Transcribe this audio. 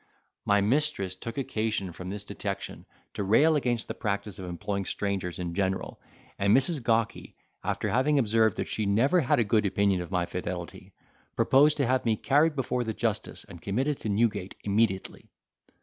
My mistress took occasion from this detection to rail against the practice of employing strangers in general; and Mrs. Gawky, after having observed that she never had a good opinion of my fidelity, proposed to have me carried before the justice and committed to Newgate immediately.